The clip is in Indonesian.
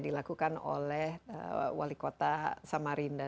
dilakukan oleh wali kota samarinda